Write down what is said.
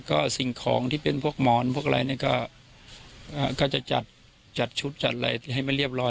ก็สิ่งของที่เป็นพวกหมอนพวกอะไรเนี่ยก็จะจัดชุดจัดอะไรให้ไม่เรียบร้อย